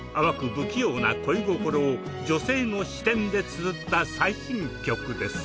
不器用な恋心を女性の視点でつづった最新曲です。